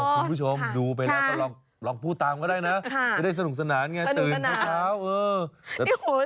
คุณผู้ชมดูไปแล้วก็ลองพูดตามก็ได้นะไม่ได้สนุกสนานไงตื่นเช้าเออ